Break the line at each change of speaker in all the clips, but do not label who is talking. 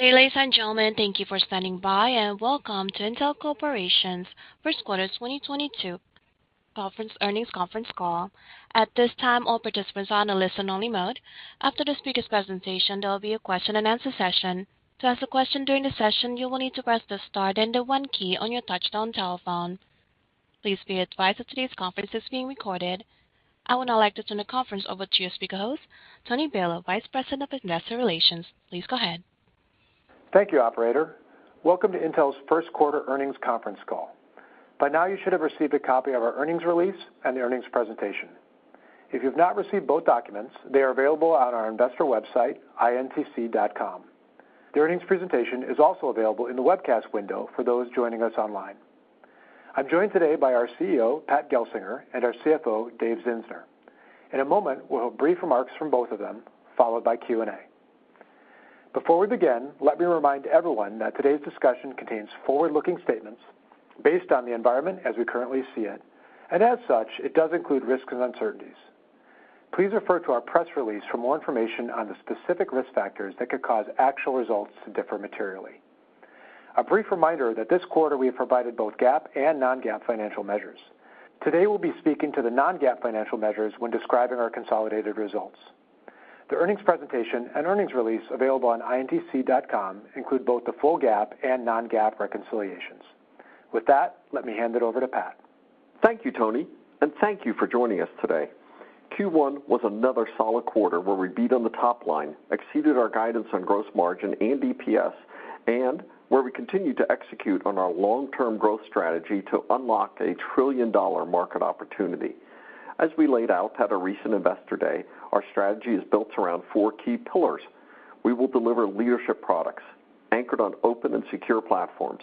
Good day, ladies and gentlemen. Thank you for standing by, and welcome to Intel Corporation's First Quarter 2022 Earnings Conference Call. At this time, all participants are on a listen-only mode. After the speaker's presentation, there will be a Question-and-Answer Session. To ask a question during the session, you will need to press the star then the one key on your touch-tone telephone. Please be advised that today's conference is being recorded. I would now like to turn the conference over to your speaker host, Tony Balow, Vice President of Investor Relations. Please go ahead.
Thank you, operator. Welcome to Intel's First Quarter Earnings Conference Call. By now you should have received a copy of our earnings release and the earnings presentation. If you've not received both documents, they are available on our investor website, intc.com. The earnings presentation is also available in the webcast window for those joining us online. I'm joined today by our CEO, Pat Gelsinger, and our CFO, Dave Zinsner. In a moment, we'll have brief remarks from both of them, followed by Q&A. Before we begin, let me remind everyone that today's discussion contains forward-looking statements based on the environment as we currently see it, and as such, it does include risks and uncertainties. Please refer to our press release for more information on the specific risk factors that could cause actual results to differ materially. A brief reminder that this quarter we have provided both GAAP and non-GAAP financial measures. Today we'll be speaking to the non-GAAP financial measures when describing our consolidated results. The earnings presentation and earnings release available on intc.com include both the full GAAP and non-GAAP reconciliations. With that, let me hand it over to Pat.
Thank you, Tony, and thank you for joining us today. Q1 was another solid quarter where we beat on the top line, exceeded our guidance on gross margin and EPS, and where we continued to execute on our long-term growth strategy to unlock a trillion-dollar market opportunity. As we laid out at our recent Investor Day, our strategy is built around four key pillars. We will deliver leadership products anchored on open and secure platforms,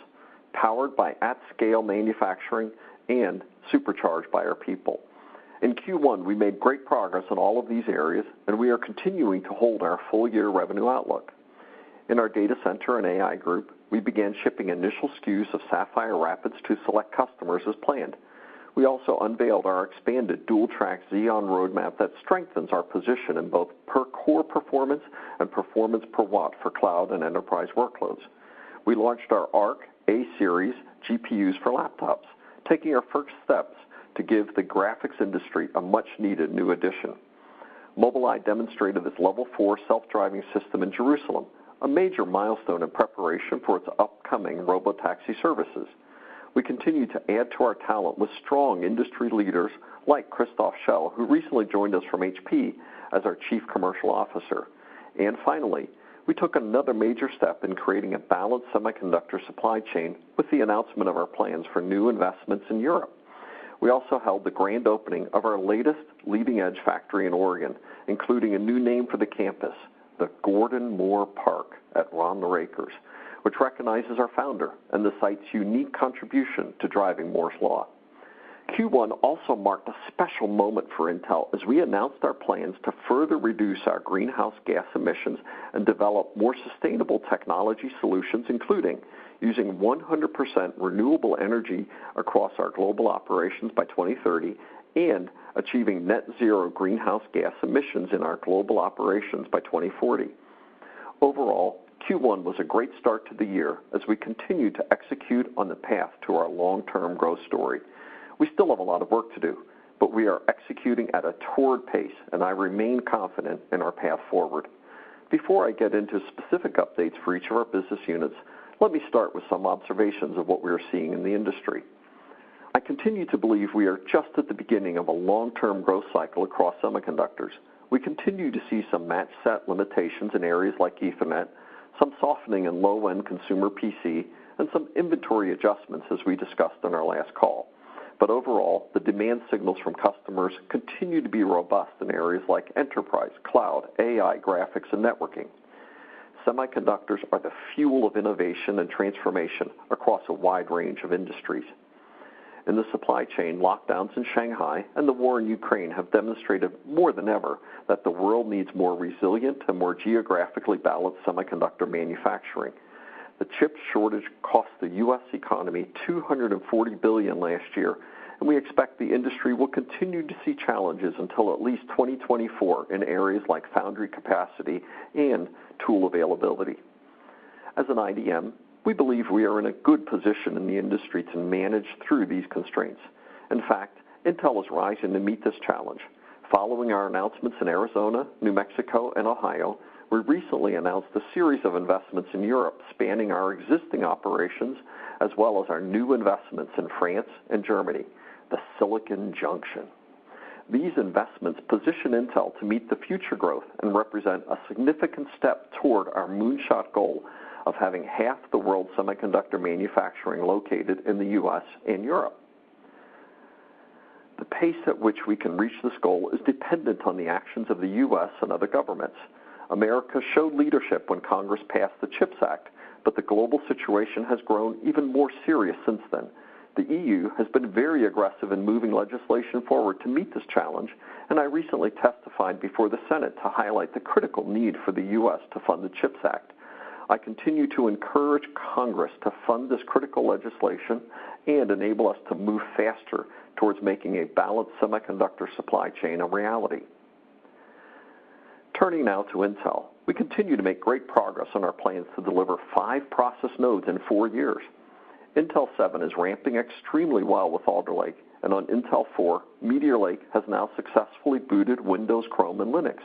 powered by at-scale manufacturing and supercharged by our people. In Q1, we made great progress in all of these areas, and we are continuing to hold our full year revenue outlook. In our data center and AI group, we began shipping initial SKUs of Sapphire Rapids to select customers as planned. We also unveiled our expanded dual-track Xeon roadmap that strengthens our position in both per core performance and performance per watt for cloud and enterprise workloads. We launched our Arc A-series GPUs for laptops, taking our first steps to give the graphics industry a much-needed new addition. Mobileye demonstrated its level four self-driving system in Jerusalem, a major milestone in preparation for its upcoming robotaxi services. We continue to add to our talent with strong industry leaders like Christoph Schell, who recently joined us from HP as our Chief Commercial Officer. Finally, we took another major step in creating a balanced semiconductor supply chain with the announcement of our plans for new investments in Europe. We also held the grand opening of our latest leading-edge factory in Oregon, including a new name for the campus, the Gordon Moore Park at Ronler Acres, which recognizes our founder and the site's unique contribution to driving Moore's Law. Q1 also marked a special moment for Intel as we announced our plans to further reduce our greenhouse gas emissions and develop more sustainable technology solutions, including using 100% renewable energy across our global operations by 2030 and achieving net zero greenhouse gas emissions in our global operations by 2040. Overall, Q1 was a great start to the year as we continue to execute on the path to our long-term growth story. We still have a lot of work to do, but we are executing at a torrid pace, and I remain confident in our path forward. Before I get into specific updates for each of our business units, let me start with some observations of what we are seeing in the industry. I continue to believe we are just at the beginning of a long-term growth cycle across semiconductors. We continue to see some mask set limitations in areas like Ethernet, some softening in low-end consumer PC, and some inventory adjustments as we discussed on our last call. Overall, the demand signals from customers continue to be robust in areas like enterprise, cloud, AI, graphics, and networking. Semiconductors are the fuel of innovation and transformation across a wide range of industries. In the supply chain, lockdowns in Shanghai and the war in Ukraine have demonstrated more than ever that the world needs more resilient and more geographically balanced semiconductor manufacturing. The chip shortage cost the U.S. economy $240 billion last year, and we expect the industry will continue to see challenges until at least 2024 in areas like foundry capacity and tool availability. As an IDM, we believe we are in a good position in the industry to manage through these constraints. In fact, Intel is rising to meet this challenge. Following our announcements in Arizona, New Mexico, and Ohio, we recently announced a series of investments in Europe spanning our existing operations as well as our new investments in France and Germany, the Silicon Junction. These investments position Intel to meet the future growth and represent a significant step toward our moonshot goal of having half the world's semiconductor manufacturing located in the U.S. and Europe. The pace at which we can reach this goal is dependent on the actions of the U.S. and other governments. America showed leadership when Congress passed the CHIPS Act, but the global situation has grown even more serious since then. The EU has been very aggressive in moving legislation forward to meet this challenge, and I recently testified before the Senate to highlight the critical need for the U.S. to fund the CHIPS Act. I continue to encourage Congress to fund this critical legislation and enable us to move faster towards making a balanced semiconductor supply chain a reality. Turning now to Intel. We continue to make great progress on our plans to deliver five process nodes in four years. Intel 7 is ramping extremely well with Alder Lake and on Intel 4, Meteor Lake has now successfully booted Windows, Chrome, and Linux.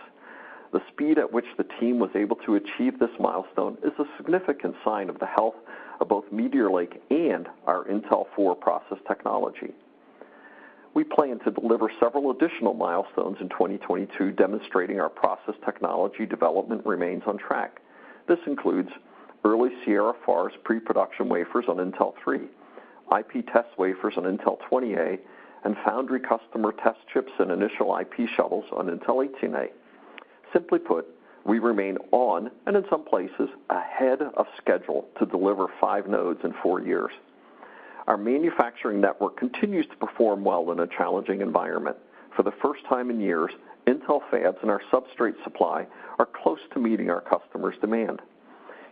The speed at which the team was able to achieve this milestone is a significant sign of the health of both Meteor Lake and our Intel 4 process technology. We plan to deliver several additional milestones in 2022, demonstrating our process technology development remains on track. This includes early Sierra Forest pre-production wafers on Intel 3, IP test wafers on Intel 20A, and foundry customer test chips and initial IP shuttles on Intel 18A. Simply put, we remain on, and in some places, ahead of schedule to deliver five nodes in four years. Our manufacturing network continues to perform well in a challenging environment. For the first time in years, Intel fabs and our substrate supply are close to meeting our customers' demand.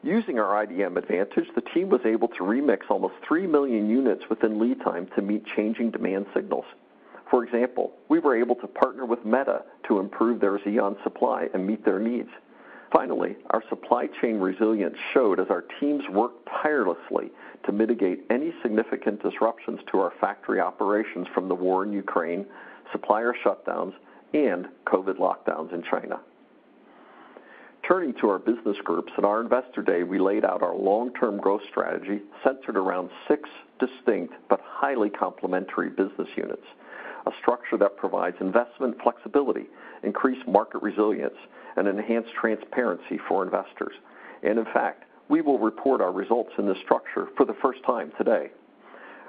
Using our IDM advantage, the team was able to remix almost three million units within lead time to meet changing demand signals. For example, we were able to partner with Meta to improve their Xeon supply and meet their needs. Finally, our supply chain resilience showed as our teams worked tirelessly to mitigate any significant disruptions to our factory operations from the war in Ukraine, supplier shutdowns, and COVID lockdowns in China. Turning to our business groups. At our Investor Day, we laid out our long-term growth strategy centered around six distinct but highly complementary business units. A structure that provides investment flexibility, increased market resilience, and enhanced transparency for investors. In fact, we will report our results in this structure for the first time today.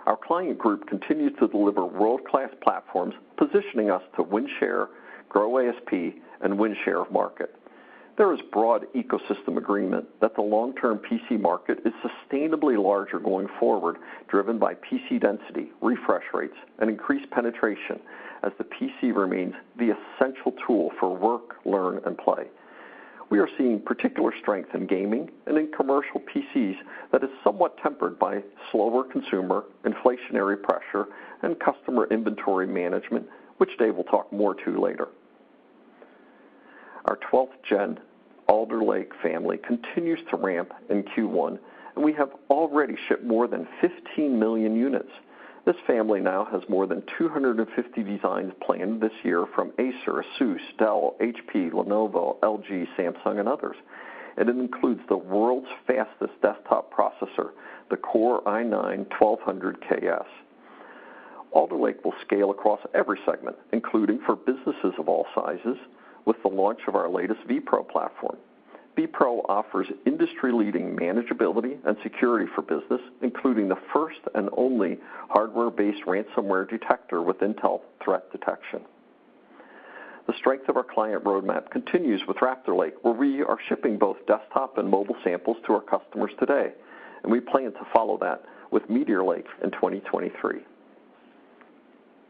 Our client group continues to deliver world-class platforms, positioning us to win share, grow ASP, and win share of market. There is broad ecosystem agreement that the long-term PC market is sustainably larger going forward, driven by PC density, refresh rates, and increased penetration as the PC remains the essential tool for work, learn, and play. We are seeing particular strength in gaming and in commercial PCs that is somewhat tempered by slower consumer inflationary pressure and customer inventory management, which Dave will talk more to later. Our 12th Gen Alder Lake family continues to ramp in Q1, and we have already shipped more than 15 million units. This family now has more than 250 designs planned this year from Acer, ASUS, Dell, HP, Lenovo, LG, Samsung, and others. It includes the world's fastest desktop processor, the Core i9-12900KS. Alder Lake will scale across every segment, including for businesses of all sizes with the launch of our latest vPro platform. vPro offers industry-leading manageability and security for business, including the first and only hardware-based ransomware detector with Intel Threat Detection. The strength of our client roadmap continues with Raptor Lake, where we are shipping both desktop and mobile samples to our customers today, and we plan to follow that with Meteor Lake in 2023.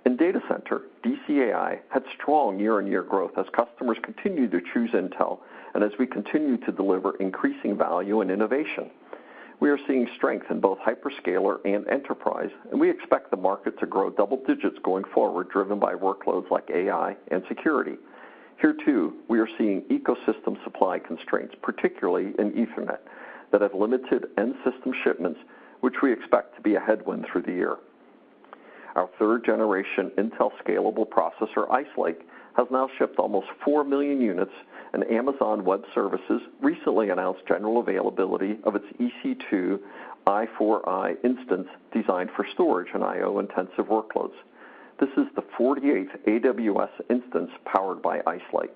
In data center, DCAI had strong year-on-year growth as customers continued to choose Intel, and as we continue to deliver increasing value and innovation. We are seeing strength in both hyperscaler and enterprise, and we expect the market to grow double digits going forward, driven by workloads like AI and security. Here too, we are seeing ecosystem supply constraints, particularly in Ethernet, that have limited end system shipments, which we expect to be a headwind through the year. Our third-generation Intel Xeon Scalable processor, Ice Lake, has now shipped almost four million units, and Amazon Web Services recently announced general availability of its EC2 I4i instance designed for storage and I/O-intensive workloads. This is the 48th AWS instance powered by Ice Lake.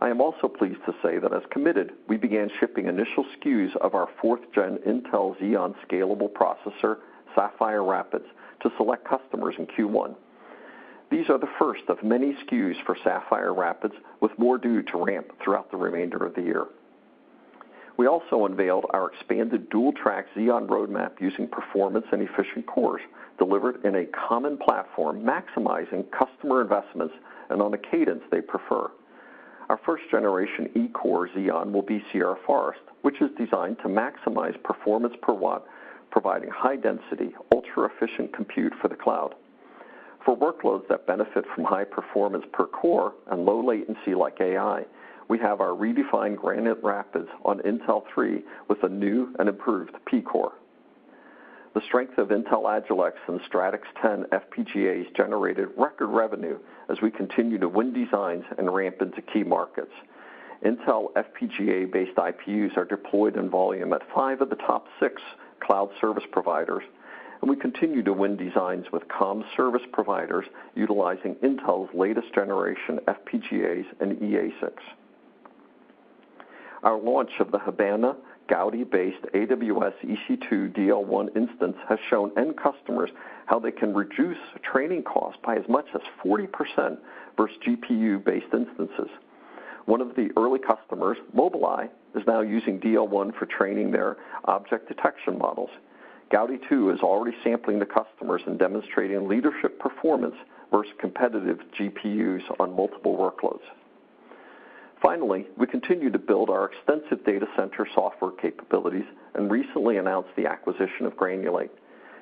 I am also pleased to say that as committed, we began shipping initial SKUs of our fourth-gen Intel Xeon Scalable processor, Sapphire Rapids, to select customers in Q1. These are the first of many SKUs for Sapphire Rapids, with more due to ramp throughout the remainder of the year. We also unveiled our expanded dual-track Xeon roadmap using performance and efficient cores delivered in a common platform, maximizing customer investments and on a cadence they prefer. Our first-generation E-core Xeon will be Sierra Forest, which is designed to maximize performance per watt, providing high density, ultra-efficient compute for the cloud. For workloads that benefit from high performance per core and low latency like AI, we have our redefined Granite Rapids on Intel 3 with a new and improved P-core. The strength of Intel Agilex and Stratix 10 FPGAs generated record revenue as we continue to win designs and ramp into key markets. Intel FPGA-based IPUs are deployed in volume at five of the top six cloud service providers, and we continue to win designs with comm service providers utilizing Intel's latest generation FPGAs and eASICs. Our launch of the Habana Gaudi-based AWS EC2 DL1 instance has shown end customers how they can reduce training costs by as much as 40% versus GPU-based instances. One of the early customers, Mobileye, is now using DL1 for training their object detection models. Gaudi 2 is already sampling to customers and demonstrating leadership performance versus competitive GPUs on multiple workloads. Finally, we continue to build our extensive data center software capabilities and recently announced the acquisition of Granulate.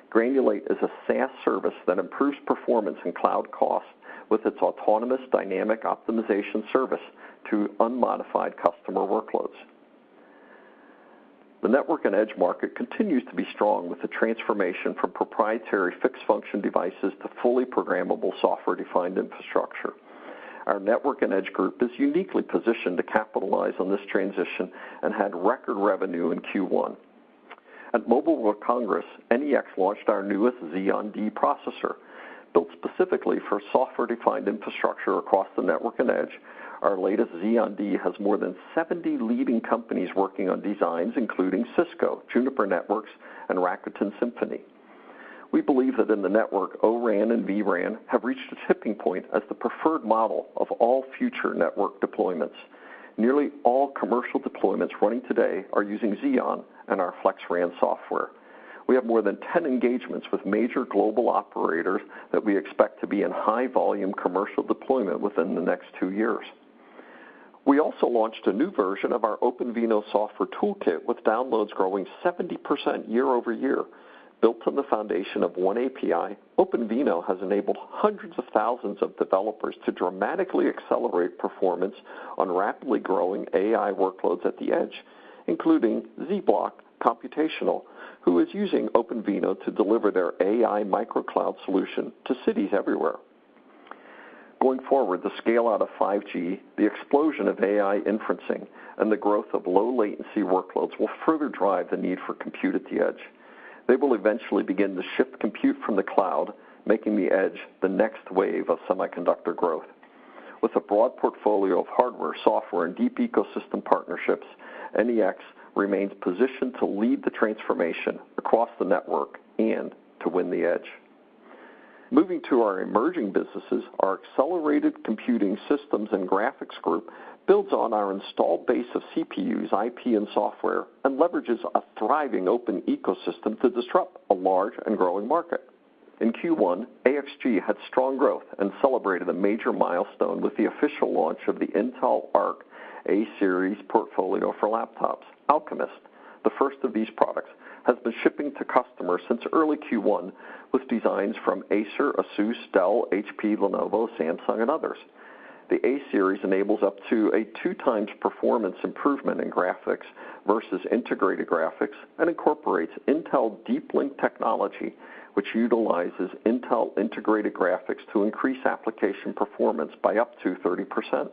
Granulate is a SaaS service that improves performance and cloud costs with its autonomous dynamic optimization service to unmodified customer workloads. The network and edge market continues to be strong with the transformation from proprietary fixed function devices to fully programmable software-defined infrastructure. Our network and edge group is uniquely positioned to capitalize on this transition and had record revenue in Q1. At Mobile World Congress, NEX launched our newest Xeon D processor, built specifically for software-defined infrastructure across the network and edge. Our latest Xeon D has more than 70 leading companies working on designs, including Cisco, Juniper Networks, and Rakuten Symphony. We believe that in the network, O-RAN and V-RAN have reached their tipping point as the preferred model of all future network deployments. Nearly all commercial deployments running today are using Xeon and our FlexRAN software. We have more than 10 engagements with major global operators that we expect to be in high volume commercial deployment within the next two years. We also launched a new version of our OpenVINO software toolkit with downloads growing 70% year-over-year. Built on the foundation of one API, OpenVINO has enabled hundreds of thousands of developers to dramatically accelerate performance on rapidly growing AI workloads at the edge, including Zeblok Computational, who is using OpenVINO to deliver their AI-MicroCloud solution to cities everywhere. Going forward, the scale out of 5G, the explosion of AI inferencing, and the growth of low latency workloads will further drive the need for compute at the edge. They will eventually begin to ship compute from the cloud, making the edge the next wave of semiconductor growth. With a broad portfolio of hardware, software, and deep ecosystem partnerships, NEX remains positioned to lead the transformation across the network and to win the edge. Moving to our emerging businesses, our accelerated computing systems and graphics group builds on our installed base of CPUs, IP, and software, and leverages a thriving open ecosystem to disrupt a large and growing market. In Q1, AXG had strong growth and celebrated a major milestone with the official launch of the Intel Arc A-series portfolio for laptops. Alchemist, the first of these products, has been shipping to customers since early Q1 with designs from Acer, ASUS, Dell, HP, Lenovo, Samsung, and others. The A-series enables up to 2x performance improvement in graphics versus integrated graphics and incorporates Intel Deep Link technology, which utilizes Intel integrated graphics to increase application performance by up to 30%.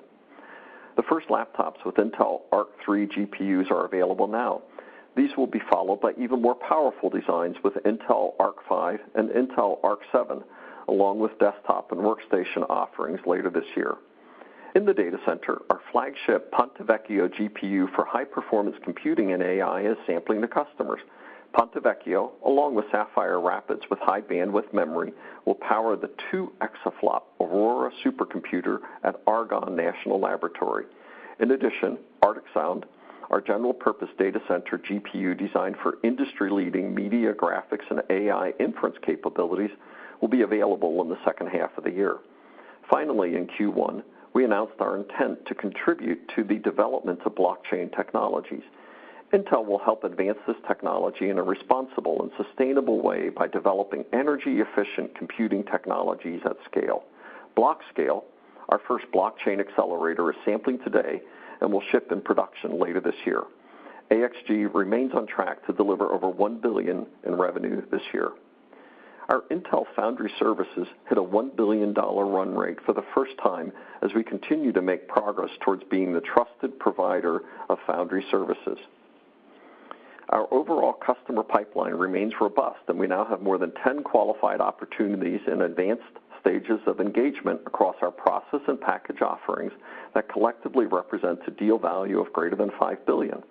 The first laptops with Intel Arc 3 GPUs are available now. These will be followed by even more powerful designs with Intel Arc 5 and Intel Arc 7, along with desktop and workstation offerings later this year. In the data center, our flagship Ponte Vecchio GPU for high-performance computing and AI is sampling to customers. Ponte Vecchio, along with Sapphire Rapids with High Bandwidth Memory, will power the 2-exaflop Aurora supercomputer at Argonne National Laboratory. In addition, Arctic Sound, our general purpose data center GPU designed for industry-leading media graphics and AI inference capabilities, will be available in the second half of the year. Finally, in Q1, we announced our intent to contribute to the development of blockchain technologies. Intel will help advance this technology in a responsible and sustainable way by developing energy-efficient computing technologies at scale. Blockscale, our first blockchain accelerator, is sampling today and will ship in production later this year. AXG remains on track to deliver over $1 billion in revenue this year. Our Intel Foundry Services hit a $1 billion run rate for the first time as we continue to make progress towards being the trusted provider of foundry services. Our overall customer pipeline remains robust, and we now have more than 10 qualified opportunities in advanced stages of engagement across our process and package offerings that collectively represent a deal value of greater than $5 billion.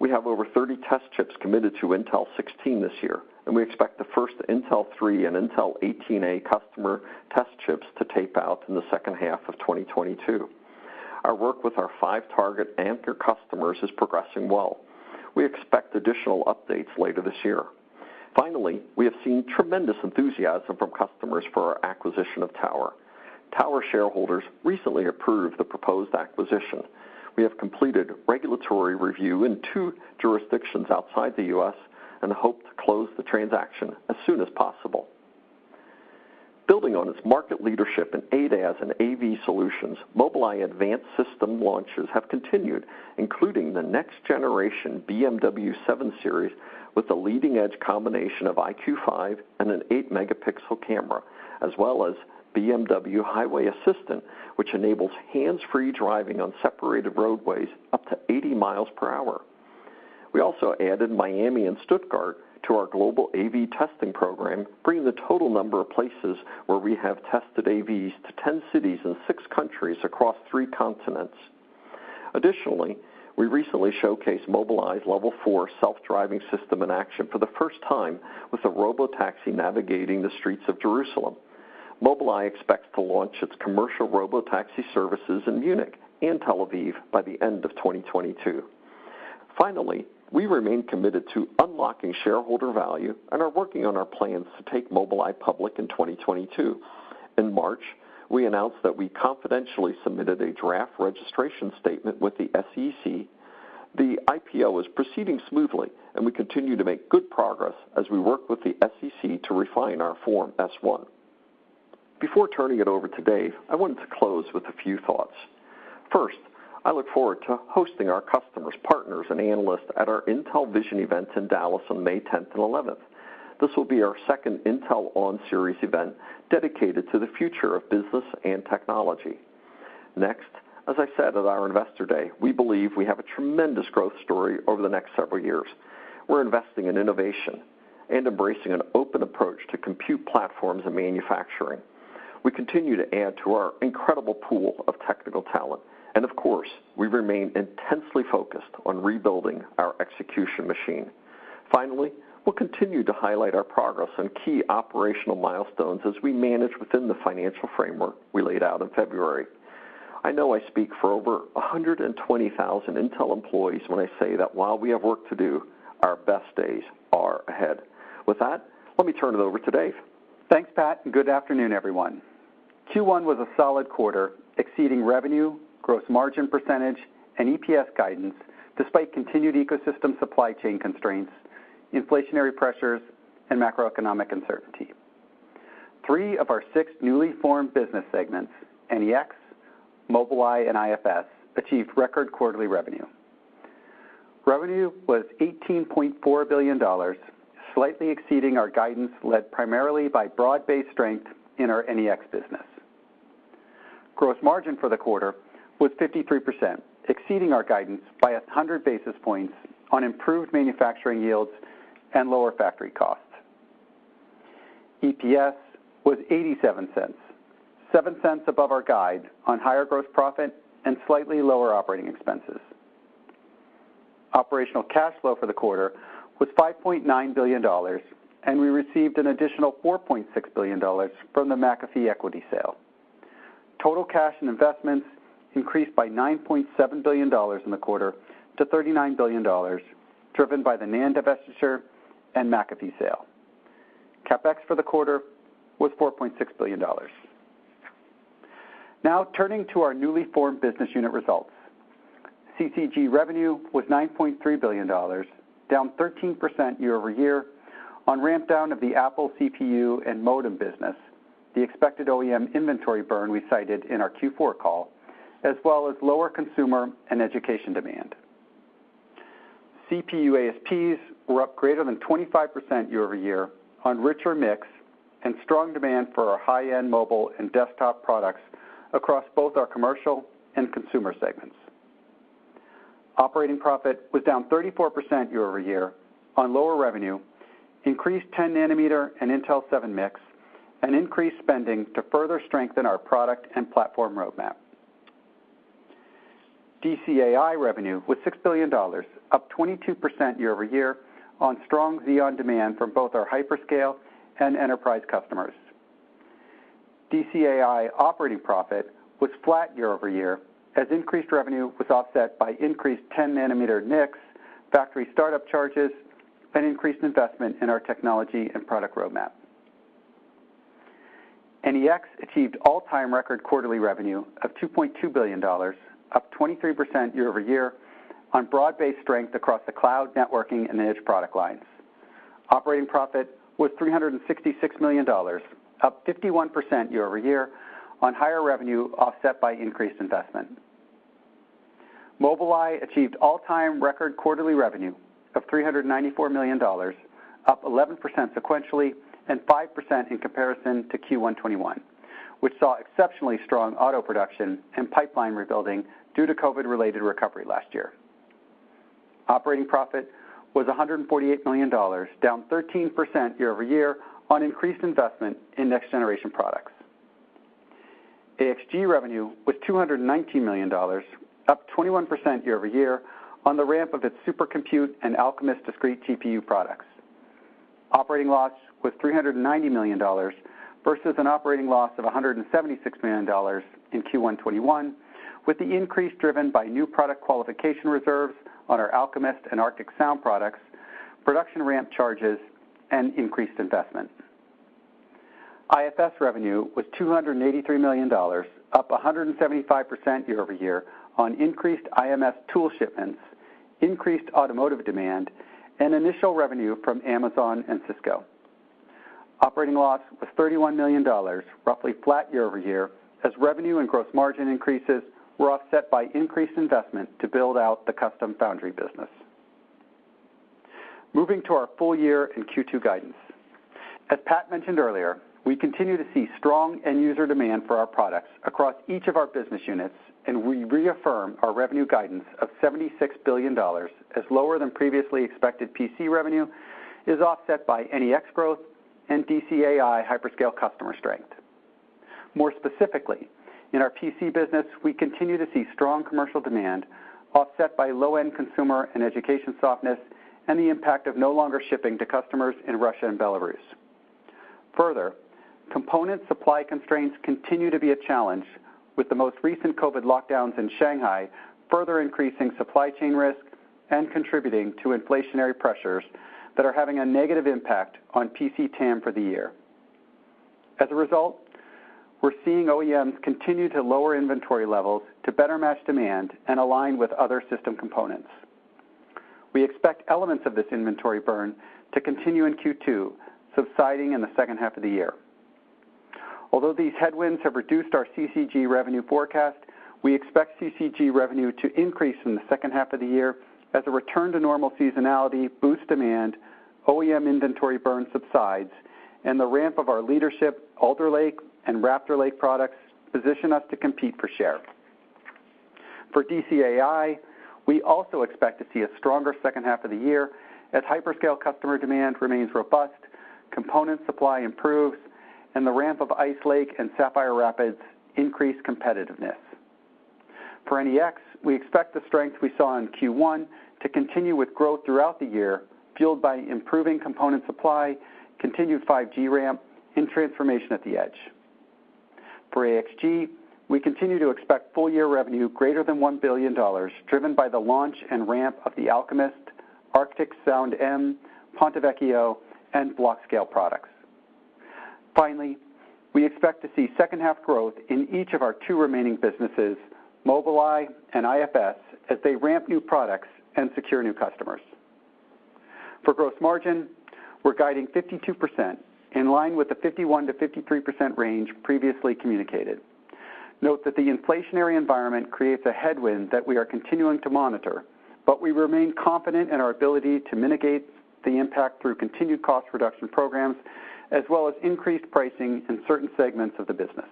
We have over 30 test chips committed to Intel 16 this year, and we expect the first Intel 3 and Intel 18A customer test chips to tape out in the second half of 2022. Our work with our five target anchor customers is progressing well. We expect additional updates later this year. Finally, we have seen tremendous enthusiasm from customers for our acquisition of Tower. Tower shareholders recently approved the proposed acquisition. We have completed regulatory review in two jurisdictions outside the U.S. and hope to close the transaction as soon as possible. Building on its market leadership in ADAS and AV solutions, Mobileye advanced system launches have continued, including the next generation BMW 7 Series with a leading-edge combination of EyeQ5 and an 8-megapixel camera, as well as BMW Highway Assistant, which enables hands-free driving on separated roadways up to 80 miles per hour. We also added Miami and Stuttgart to our global AV testing program, bringing the total number of places where we have tested AVs to 10 cities in six countries across 3 continents. Additionally, we recently showcased Mobileye's level four self-driving system in action for the first time with a robotaxi navigating the streets of Jerusalem. Mobileye expects to launch its commercial robotaxi services in Munich and Tel Aviv by the end of 2022. Finally, we remain committed to unlocking shareholder value and are working on our plans to take Mobileye public in 2022. In March, we announced that we confidentially submitted a draft registration statement with the SEC. The IPO is proceeding smoothly, and we continue to make good progress as we work with the SEC to refine our Form S-1. Before turning it over to Dave, I wanted to close with a few thoughts. First, I look forward to hosting our customers, partners, and analysts at our Intel Vision event in Dallas on 10 and 11 May. This will be our second Intel ON series event dedicated to the future of business and technology. Next, as I said at our Investor Day, we believe we have a tremendous growth story over the next several years. We're investing in innovation and embracing an open approach to compute platforms and manufacturing. We continue to add to our incredible pool of technical talent, and of course, we remain intensely focused on rebuilding our execution machine. Finally, we'll continue to highlight our progress on key operational milestones as we manage within the financial framework we laid out in February. I know I speak for over 120,000 Intel employees when I say that while we have work to do, our best days are ahead. With that, let me turn it over to Dave.
Thanks, Pat, and good afternoon, everyone. Q1 was a solid quarter, exceeding revenue, gross margin percentage, and EPS guidance despite continued ecosystem supply chain constraints, inflationary pressures, and macroeconomic uncertainty. Three of our six newly formed business segments, NEX, Mobileye, and IFS, achieved record quarterly revenue. Revenue was $18.4 billion, slightly exceeding our guidance led primarily by broad-based strength in our NEX business. Gross margin for the quarter was 53%, exceeding our guidance by 100 basis points on improved manufacturing yields and lower factory costs. EPS was $0.87, $0.07 above our guide on higher gross profit and slightly lower operating expenses. Operational cash flow for the quarter was $5.9 billion, and we received an additional $4.6 billion from the McAfee equity sale. Total cash and investments increased by $9.7 billion in the quarter to $39 billion, driven by the NAND divestiture and McAfee sale. CapEx for the quarter was $4.6 billion. Now turning to our newly formed business unit results. CCG revenue was $9.3 billion, down 13% year-over-year on ramp down of the Apple CPU and modem business, the expected OEM inventory burn we cited in our Q4 call, as well as lower consumer and education demand. CPU ASPs were up greater than 25% year-over-year on richer mix and strong demand for our high-end mobile and desktop products across both our commercial and consumer segments. Operating profit was down 34% year-over-year on lower revenue, increased 10 nanometer and Intel 7 mix, and increased spending to further strengthen our product and platform roadmap. DCAI revenue was $6 billion, up 22% year-over-year on strong Xeon demand from both our hyperscale and enterprise customers. DCAI operating profit was flat year-over-year as increased revenue was offset by increased 10 nanometer mix, factory startup charges, and increased investment in our technology and product roadmap. NEX achieved all-time record quarterly revenue of $2.2 billion, up 23% year-over-year on broad-based strength across the cloud networking and edge product lines. Operating profit was $366 million, up 51% year-over-year on higher revenue offset by increased investment. Mobileye achieved all-time record quarterly revenue of $394 million, up 11% sequentially, and 5% in comparison to Q1 2021, which saw exceptionally strong auto production and pipeline rebuilding due to COVID-related recovery last year. Operating profit was $148 million, down 13% year-over-year on increased investment in next generation products. AXG revenue was $219 million, up 21% year-over-year on the ramp of its Supercompute and Alchemist discrete GPU products. Operating loss was $390 million versus an operating loss of $176 million in Q1 2021, with the increase driven by new product qualification reserves on our Alchemist and Arctic Sound products, production ramp charges, and increased investments. IFS revenue was $283 million, up 175% year-over-year on increased IMS tool shipments, increased automotive demand, and initial revenue from Amazon and Cisco. Operating loss was $31 million, roughly flat year-over-year, as revenue and gross margin increases were offset by increased investment to build out the custom foundry business. Moving to our full-year and Q2 guidance. As Pat mentioned earlier, we continue to see strong end user demand for our products across each of our business units, and we reaffirm our revenue guidance of $76 billion as lower than previously expected PC revenue is offset by NEX growth and DCAI hyperscale customer strength. More specifically, in our PC business, we continue to see strong commercial demand offset by low-end consumer and education softness and the impact of no longer shipping to customers in Russia and Belarus. Further, component supply constraints continue to be a challenge with the most recent COVID lockdowns in Shanghai, further increasing supply chain risk and contributing to inflationary pressures that are having a negative impact on PC TAM for the year. As a result, we're seeing OEMs continue to lower inventory levels to better match demand and align with other system components. We expect elements of this inventory burn to continue in Q2, subsiding in the second half of the year. Although these headwinds have reduced our CCG revenue forecast, we expect CCG revenue to increase in the second half of the year as a return to normal seasonality boosts demand, OEM inventory burn subsides, and the ramp of our leadership Alder Lake and Raptor Lake products position us to compete for share. For DCAI, we also expect to see a stronger second half of the year as hyperscale customer demand remains robust, component supply improves, and the ramp of Ice Lake and Sapphire Rapids increase competitiveness. For NEX, we expect the strength we saw in Q1 to continue with growth throughout the year, fueled by improving component supply, continued 5G ramp, and transformation at the edge. For AXG, we continue to expect full-year revenue greater than $1 billion, driven by the launch and ramp of the Alchemist, Arctic Sound-M, Ponte Vecchio, and Blockscale products. Finally, we expect to see second half growth in each of our two remaining businesses, Mobileye and IFS, as they ramp new products and secure new customers. For gross margin, we're guiding 52%, in line with the 51%-53% range previously communicated. Note that the inflationary environment creates a headwind that we are continuing to monitor, but we remain confident in our ability to mitigate the impact through continued cost reduction programs, as well as increased pricing in certain segments of the business.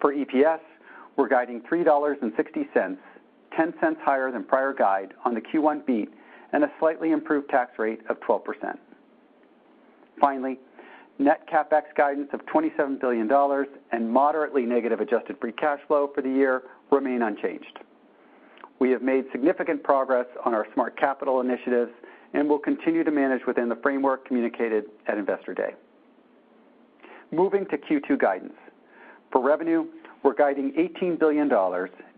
For EPS, we're guiding $3.60, $0.10 higher than prior guide on the Q1 beat and a slightly improved tax rate of 12%. Finally, net CapEx guidance of $27 billion and moderately negative adjusted free cash flow for the year remain unchanged. We have made significant progress on our smart capital initiatives and will continue to manage within the framework communicated at Investor Day. Moving to Q2 guidance. For revenue, we're guiding $18 billion,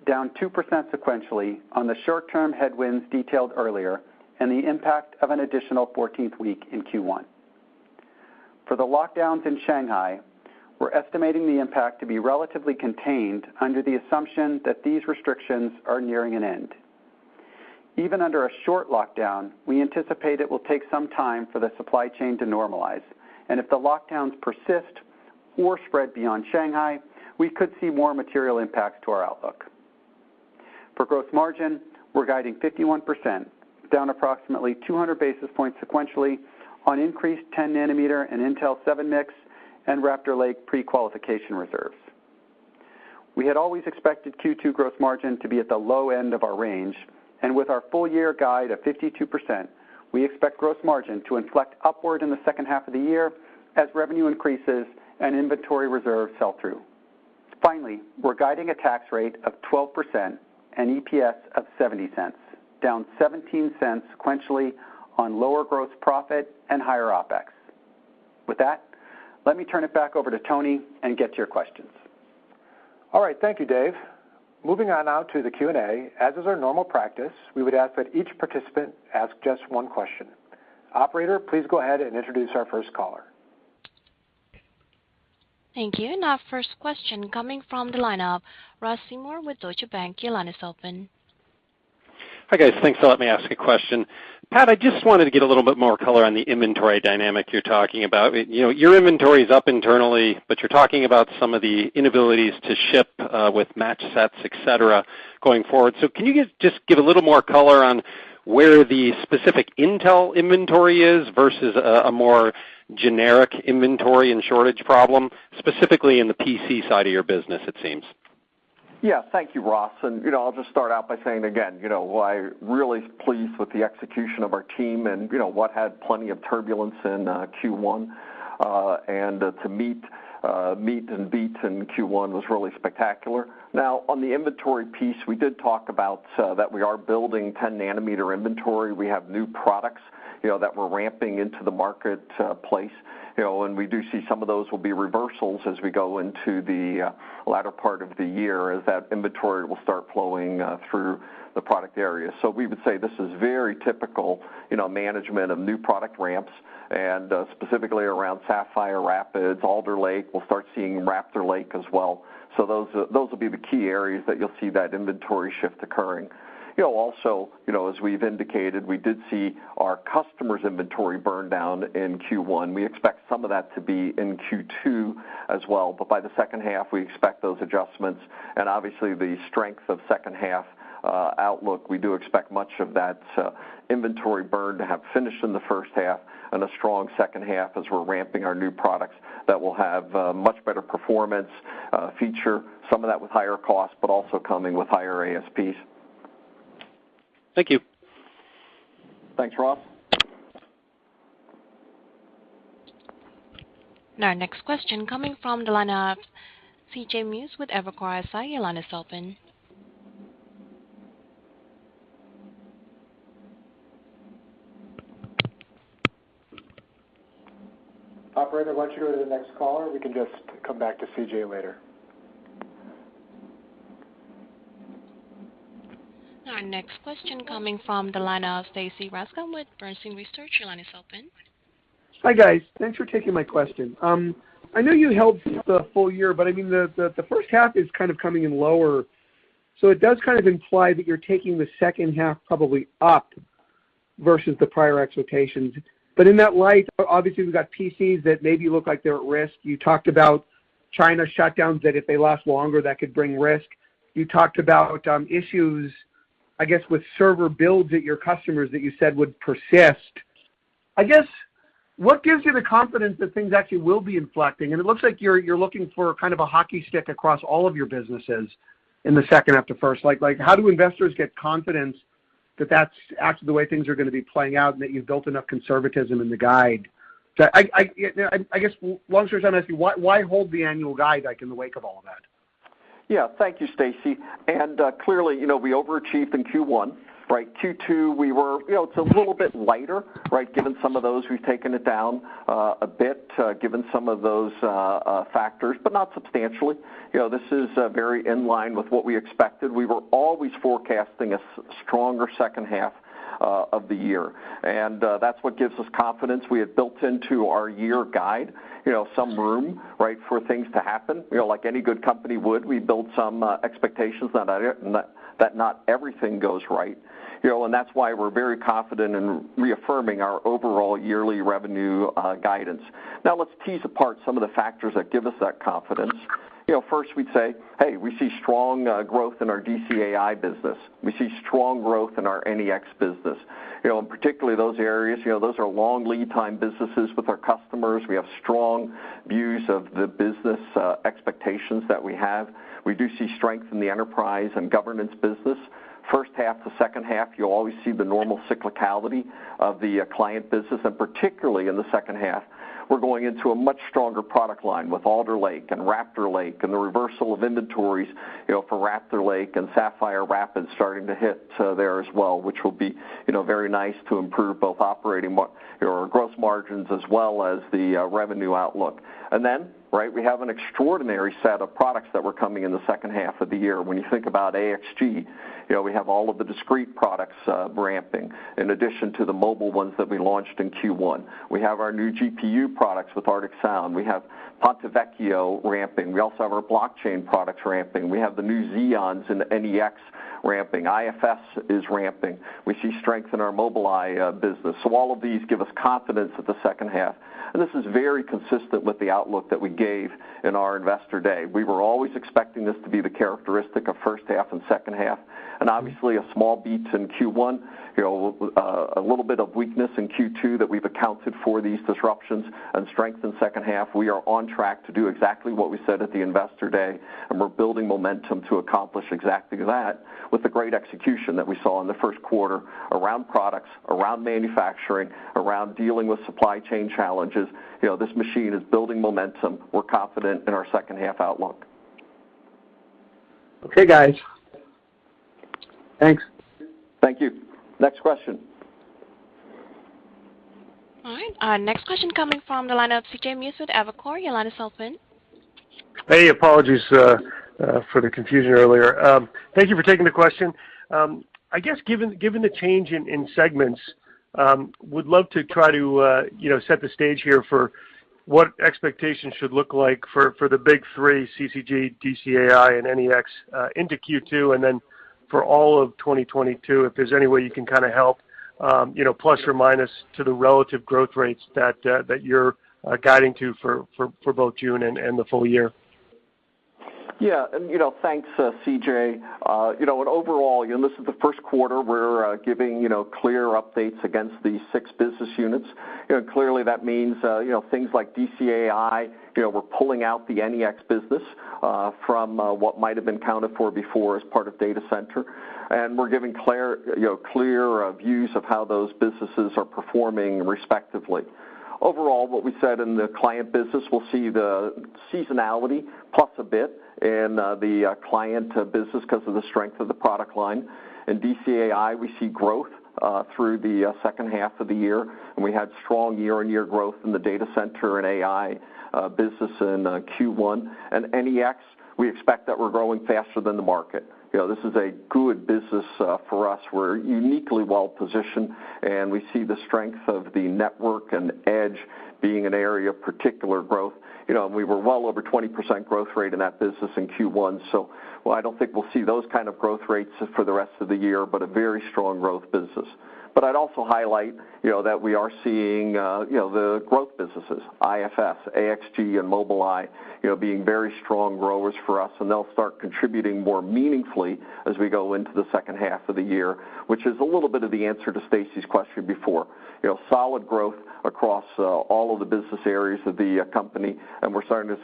down 2% sequentially on the short-term headwinds detailed earlier and the impact of an additional 14th week in Q1. For the lockdowns in Shanghai, we're estimating the impact to be relatively contained under the assumption that these restrictions are nearing an end. Even under a short lockdown, we anticipate it will take some time for the supply chain to normalize, and if the lockdowns persist or spread beyond Shanghai, we could see more material impacts to our outlook. For gross margin, we're guiding 51%, down approximately 200 basis points sequentially on increased 10 nanometer and Intel 7 mix and Raptor Lake pre-qualification reserves. We had always expected Q2 gross margin to be at the low end of our range, and with our full-year guide of 52%, we expect gross margin to inflect upward in the second half of the year as revenue increases and inventory reserves sell through. Finally, we're guiding a tax rate of 12% and EPS of $0.70, down $0.17 sequentially on lower gross profit and higher OpEx. With that, let me turn it back over to Tony and get to your questions.
All right. Thank you, Dave. Moving on now to the Q&A. As is our normal practice, we would ask that each participant ask just one question. Operator, please go ahead and introduce our first caller.
Thank you. Our first question coming from the line of Ross Seymore with Deutsche Bank. Your line is open.
Hi, guys. Thanks for letting me ask a question. Pat, I just wanted to get a little bit more color on the inventory dynamic you're talking about. You know, your inventory is up internally, but you're talking about some of the inabilities to ship with match sets, et cetera, going forward. Can you give just a little more color on where the specific Intel inventory is versus a more generic inventory and shortage problem, specifically in the PC side of your business, it seems?
Yeah. Thank you, Ross. You know, I'll just start out by saying again, you know, I'm really pleased with the execution of our team and, you know, we had plenty of turbulence in Q1. To meet and beat in Q1 was really spectacular. Now, on the inventory piece, we did talk about that we are building 10 nanometer inventory. We have new products, you know, that we're ramping into the marketplace, you know, and we do see some of those will be reversals as we go into the latter part of the year as that inventory will start flowing through the product area. We would say this is very typical, you know, management of new product ramps and specifically around Sapphire Rapids, Alder Lake. We'll start seeing Raptor Lake as well. Those will be the key areas that you'll see that inventory shift occurring. You know, also, you know, as we've indicated, we did see our customers' inventory burn down in Q1. We expect some of that to be in Q2 as well. By the second half, we expect those adjustments and obviously the strength of second half outlook. We do expect much of that inventory burn to have finished in the first half and a strong second half as we're ramping our new products that will have much better performance, feature, some of that with higher cost, but also coming with higher ASPs.
Thank you.
Thanks, Ross.
Our next question coming from the line of C.J. Muse with Evercore ISI. Your line is open.
Operator, why don't you go to the next caller? We can just come back to CJ later.
Our next question coming from the line of Stacy Rasgon with Bernstein Research. Your line is open.
Hi, guys. Thanks for taking my question. I know you held the full year, but I mean, the first half is kind of coming in lower, so it does kind of imply that you're taking the second half probably up versus the prior expectations. But in that light, obviously, we've got PCs that maybe look like they're at risk. You talked about China shutdowns that if they last longer, that could bring risk. You talked about issues, I guess, with server builds at your customers that you said would persist. I guess, what gives you the confidence that things actually will be inflecting? It looks like you're looking for kind of a hockey stick across all of your businesses in the second after first. Like, how do investors get confidence that that's actually the way things are gonna be playing out and that you've built enough conservatism in the guide? I, you know, I guess, long story short, I'm asking you why hold the annual guide, like, in the wake of all of that?
Yeah. Thank you, Stacy. Clearly, you know, we overachieved in Q1, right? Q2, we were, it's a little bit lighter, right? Given some of those, we've taken it down a bit, factors, but not substantially. You know, this is very in line with what we expected. We were always forecasting a stronger second half of the year, and that's what gives us confidence. We have built into our year guide, you know, some room, right? For things to happen. You know, like any good company would, we build some expectations that not everything goes right. You know, that's why we're very confident in reaffirming our overall yearly revenue guidance. Now, let's tease apart some of the factors that give us that confidence. You know, first we'd say, hey, we see strong growth in our DCAI business. We see strong growth in our NEX business. You know, in particular those areas, you know, those are long lead time businesses with our customers. We have strong views of the business expectations that we have. We do see strength in the enterprise and government business. First half to second half, you'll always see the normal cyclicality of the client business, and particularly in the second half, we're going into a much stronger product line with Alder Lake and Raptor Lake and the reversal of inventories, you know, for Raptor Lake and Sapphire Rapids starting to hit there as well, which will be, you know, very nice to improve both or gross margins as well as the revenue outlook. Right, we have an extraordinary set of products that were coming in the second half of the year. When you think about AXG, you know, we have all of the discrete products ramping in addition to the mobile ones that we launched in Q1. We have our new GPU products with Arctic Sound-M. We have Ponte Vecchio ramping. We also have our blockchain products ramping. We have the new Xeons in the NEX ramping. IFS is ramping. We see strength in our Mobileye business. All of these give us confidence at the second half, and this is very consistent with the outlook that we gave in our Investor Day. We were always expecting this to be the characteristic of first half and second half and obviously a small beat in Q1. You know, a little bit of weakness in Q2 that we've accounted for these disruptions and strength in second half. We are on track to do exactly what we said at the Investor Day, and we're building momentum to accomplish exactly that with the great execution that we saw in the first quarter around products, around manufacturing, around dealing with supply chain challenges. You know, this machine is building momentum. We're confident in our second half outlook.
Okay, guys. Thanks.
Thank you. Next question.
All right, our next question coming from the line of C.J. Muse with Evercore. Your line is open.
Hey, apologies for the confusion earlier. Thank you for taking the question. I guess, given the change in segments, would love to try to, you know, set the stage here for what expectations should look like for the big three, CCG, DCAI and NEX, into Q2, and then for all of 2022, if there's any way you can kind of help, you know, plus or minus to the relative growth rates that you're guiding to for both June and the full year.
You know, thanks, C.J. You know, and overall, you know, this is the first quarter we're giving, you know, clear updates against these six business units. You know, clearly that means, you know, things like DCAI, you know, we're pulling out the NEX business from what might have been accounted for before as part of data center. We're giving clear views of how those businesses are performing respectively. Overall, what we said in the client business, we'll see the seasonality plus a bit in the client business 'cause of the strength of the product line. In DCAI, we see growth through the second half of the year, and we had strong year-on-year growth in the data center and AI business in Q1. NEX, we expect that we're growing faster than the market. You know, this is a good business, for us. We're uniquely well-positioned, and we see the strength of the network and edge being an area of particular growth. You know, and we were well over 20% growth rate in that business in Q1, so while I don't think we'll see those kind of growth rates for the rest of the year, but a very strong growth business. But I'd also highlight, you know, that we are seeing, you know, the growth businesses, IFS, AXG and Mobileye, you know, being very strong growers for us, and they'll start contributing more meaningfully as we go into the second half of the year, which is a little bit of the answer to Stacy's question before. You know, solid growth across all of the business areas of the company, and we're starting to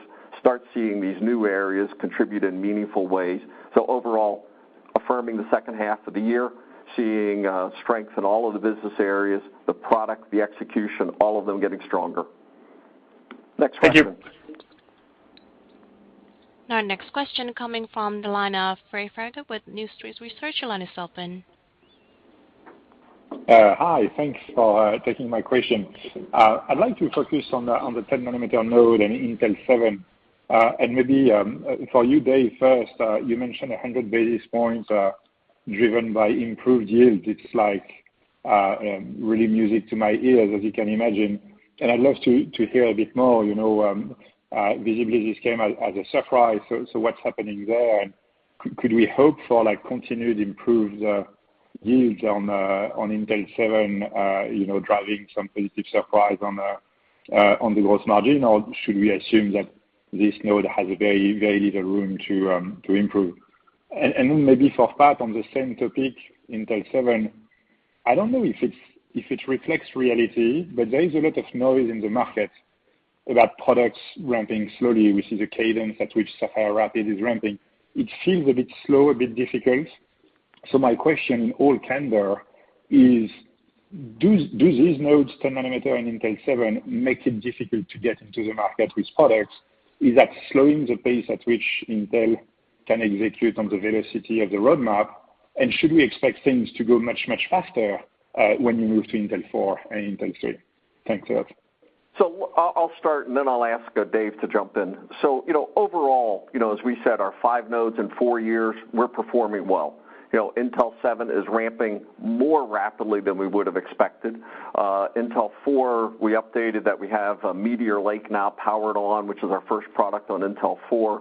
see these new areas contribute in meaningful ways. Overall, affirming the second half of the year, seeing strength in all of the business areas, the product, the execution, all of them getting stronger. Next question.
Our next question coming from the line of Pierre Ferragu with New Street Research. Your line is open.
Hi. Thanks for taking my question. I'd like to focus on the 10-nanometer node in Intel 7. And maybe for you Dave first, you mentioned 100 basis points driven by improved yield. It's like really music to my ears, as you can imagine. I'd love to hear a bit more, you know, visibility came as a surprise. What's happening there? Could we hope for like continued improved yields on Intel 7, you know, driving some positive surprise on the gross margin? Or should we assume that this node has a very little room to improve? Then maybe for Pat on the same topic, Intel 7. I don't know if it reflects reality, but there is a lot of noise in the market about products ramping slowly, which is a cadence at which Sapphire Rapids is ramping. It seems a bit slow, a bit difficult. My question in all candor is, do these nodes, 10 nanometer and Intel 7, make it difficult to get into the market with products? Is that slowing the pace at which Intel can execute on the velocity of the roadmap? Should we expect things to go much faster when you move to Intel 4 and Intel 3? Thanks a lot.
I'll start and then I'll ask Dave to jump in. You know, overall, as we said, our five nodes in four years, we're performing well. You know, Intel 7 is ramping more rapidly than we would've expected. Intel 4, we updated that we have Meteor Lake now powered on, which is our first product on Intel 4.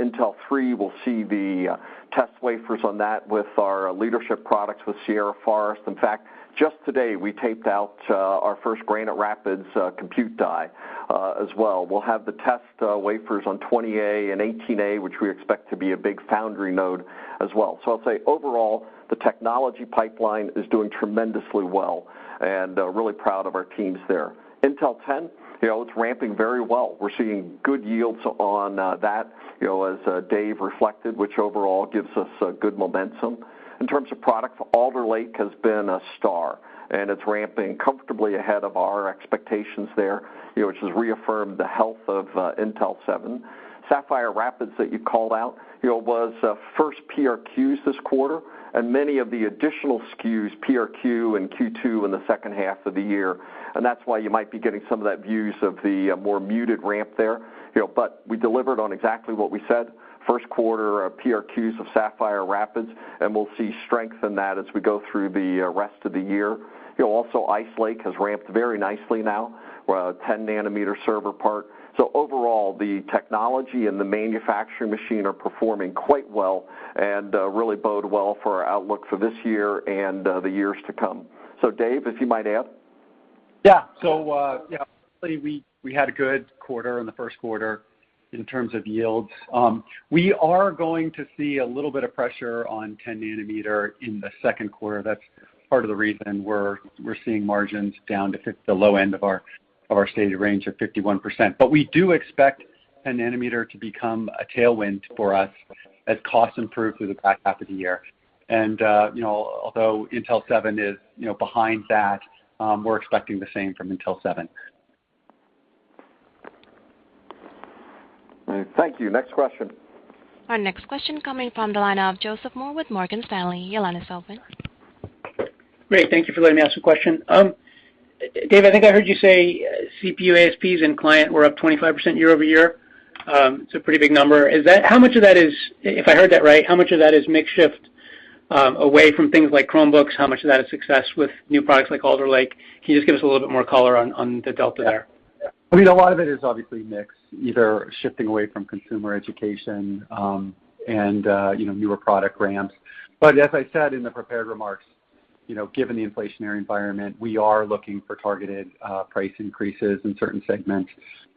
Intel 3, we'll see the test wafers on that with our leadership products with Sierra Forest. In fact, just today, we taped out our first Granite Rapids compute die as well. We'll have the test wafers on 20A and 18A, which we expect to be a big foundry node as well. I'll say overall, the technology pipeline is doing tremendously well, and really proud of our teams there. Intel 10, you know, it's ramping very well. We're seeing good yields on that, you know, as Dave reflected, which overall gives us good momentum. In terms of product, Alder Lake has been a star, and it's ramping comfortably ahead of our expectations there. You know, which has reaffirmed the health of Intel 7. Sapphire Rapids that you called out, you know, was first PRQs this quarter and many of the additional SKUs PRQ in Q2 in the second half of the year. That's why you might be getting some of that news of the more muted ramp there, you know. We delivered on exactly what we said. First quarter PRQs of Sapphire Rapids, and we'll see strength in that as we go through the rest of the year. You know, also Ice Lake has ramped very nicely now, our ten-nanometer server part. Overall, the technology and the manufacturing machine are performing quite well and really bode well for our outlook for this year and the years to come. So Dave, if you might add?
We had a good quarter in the first quarter in terms of yields. We are going to see a little bit of pressure on 10 nanometer in the second quarter. That's part of the reason we're seeing margins down to the low end of our stated range of 51%. We do expect 10 nanometer to become a tailwind for us as costs improve through the back half of the year. You know, although Intel 7 is behind that, we're expecting the same from Intel 7.
All right. Thank you. Next question.
Our next question coming from the line of Joseph Moore with Morgan Stanley. Your line is open.
Great. Thank you for letting me ask a question. Dave, I think I heard you say CPU ASPs and client were up 25% year-over-year. It's a pretty big number. If I heard that right, how much of that is mix shift away from things like Chromebooks? How much of that is success with new products like Alder Lake? Can you just give us a little bit more color on the delta there?
I mean, a lot of it is obviously mix, either shifting away from consumer education, newer product ramps. As I said in the prepared remarks, you know, given the inflationary environment, we are looking for targeted, price increases in certain segments.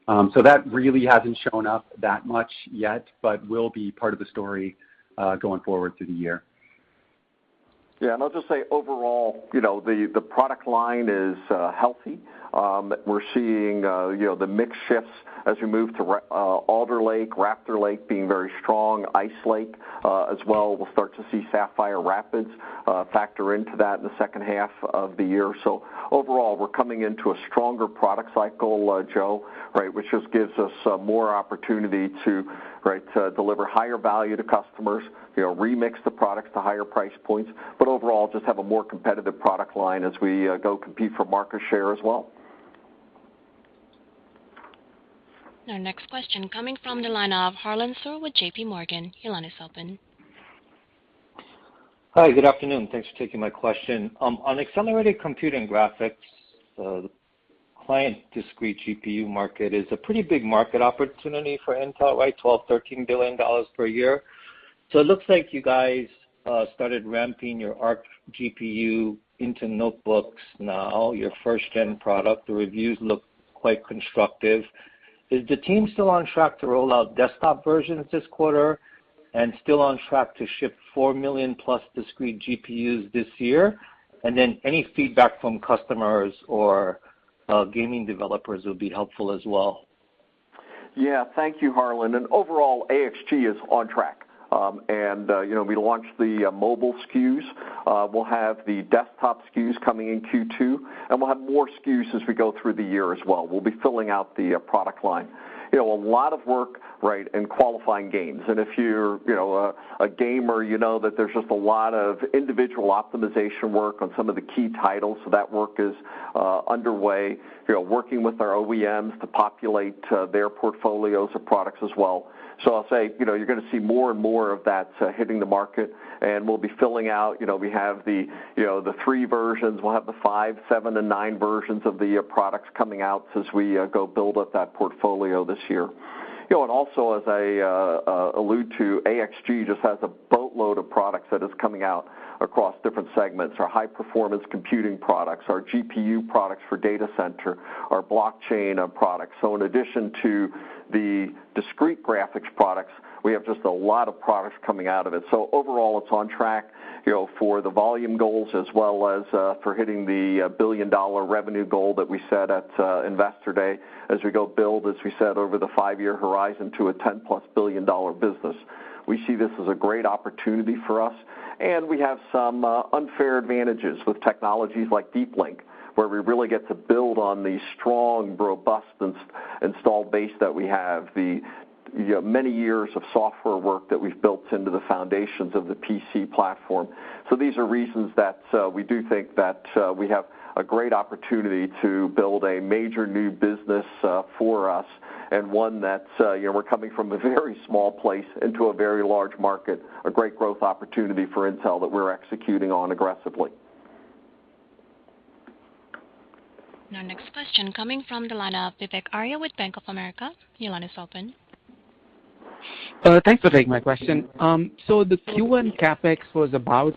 That really hasn't shown up that much yet, but will be part of the story, going forward through the year.
Yeah. I'll just say overall, you know, the product line is healthy. We're seeing, you know, the mix shifts as we move to Alder Lake, Raptor Lake being very strong, Ice Lake, as well. We'll start to see Sapphire Rapids factor into that in the second half of the year. Overall, we're coming into a stronger product cycle, Joe, right? Which just gives us more opportunity to deliver higher value to customers, you know, remix the products to higher price points, but overall just have a more competitive product line as we go compete for market share as well.
Our next question coming from the line of Harlan Sur with JPMorgan. Your line is open.
Hi, good afternoon. Thanks for taking my question. On accelerated computing graphics, the client discrete GPU market is a pretty big market opportunity for Intel, right? $12 to 13 billion per year. It looks like you guys started ramping your Arc GPU into notebooks now, your first gen product. The reviews look quite constructive. Is the team still on track to roll out desktop versions this quarter and still on track to ship four million plus discrete GPUs this year? Any feedback from customers or gaming developers would be helpful as well.
Yeah. Thank you, Harlan. Overall, AXG is on track, and, you know, we launched the mobile SKUs. We'll have the desktop SKUs coming in Q2, and we'll have more SKUs as we go through the year as well. We'll be filling out the product line. You know, a lot of work, right, in qualifying games. If you're, you know, a gamer, you know that there's just a lot of individual optimization work on some of the key titles. So that work is underway. You know, working with our OEMs to populate their portfolios of products as well. So I'll say, you know, you're gonna see more and more of that hitting the market, and we'll be filling out. You know, we have the, you know, the three versions. We'll have the five, seven, and nine versions of the products coming out since we go build up that portfolio this year. You know, also, as I allude to, AXG just has a boatload of products that is coming out across different segments. Our high-performance computing products, our GPU products for data center, our blockchain products. In addition to the discrete graphics products, we have just a lot of products coming out of it. Overall, it's on track, you know, for the volume goals as well as for hitting the billion-dollar revenue goal that we set at Investor Day, as we go build, as we said, over the five-year horizon to a 10+ billion-dollar business. We see this as a great opportunity for us, and we have some unfair advantages with technologies like Deep Link, where we really get to build on the strong, robust installed base that we have, the, you know, many years of software work that we've built into the foundations of the PC platform. These are reasons that we do think that we have a great opportunity to build a major new business for us, and one that's you know, we're coming from a very small place into a very large market, a great growth opportunity for Intel that we're executing on aggressively.
Now, next question coming from the line of Vivek Arya with Bank of America. Your line is open.
Thanks for taking my question. So the Q1 CapEx was about